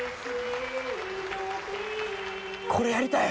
これやりたい！